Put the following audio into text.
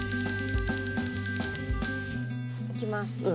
いきます。